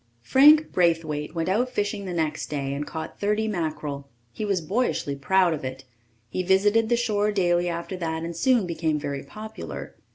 Frank Braithwaite went out fishing the next day and caught 30 mackerel. He was boyishly proud of it. He visited the shore daily after that and soon became very popular.